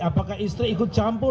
apakah istri ikut campur